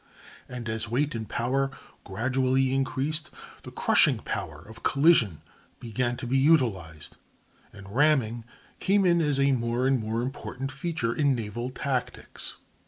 And as weight and power gradually increased, the crushing power of collision began to be utilized, and ramming came in as a more and more important feature in naval tactics.